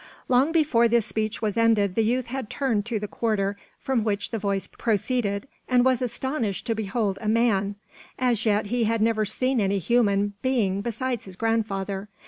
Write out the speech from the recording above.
Long before this speech was ended the youth had turned to the quarter from which the voice proceeded, and was astonished to behold a man; as yet he had never seen any human being besides his grandfather.